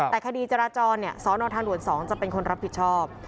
แต่คดีจราจรสนทางด่วน๒จะเป็นคนรับผิดชอบ